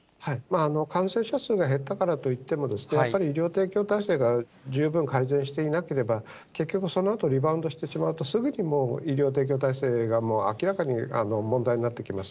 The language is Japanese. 感染者数が減ったからといっても、やっぱり医療提供体制が十分改善していなければ、結局、そのあとリバウンドしてしまうと、すべて医療提供体制が問題になってきます。